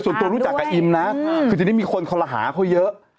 คือโดยส่วนตัวรู้จักกับอิมนะคือจะได้มีคนเขาระหาเขาเยอะ